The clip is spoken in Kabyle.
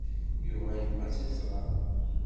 Yuba yebɣa ad tt-iẓer.